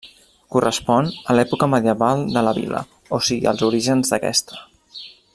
Correspon a l'època medieval de la vila, o sigui als orígens d'aquesta.